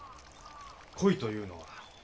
恋というのは。